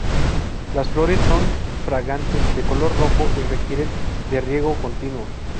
Las flores son fragantes, de color rojo y requieren de riego continuo.